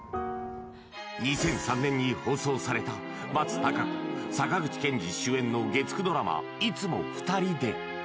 ２００３年に放送された松たか子坂口憲二主演の月９ドラマ「いつもふたりで」